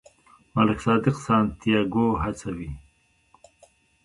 ملک صادق سانتیاګو هڅوي.